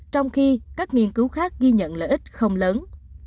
trong khi các nghiên cứu khác ghi nhận lợi ích không lớn